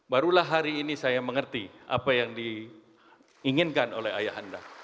barulah hari ini saya mengerti apa yang diinginkan oleh ayah anda